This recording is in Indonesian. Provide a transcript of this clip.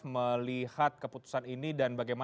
melihat keputusan ini